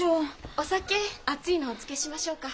お酒熱いのをおつけしましょうか？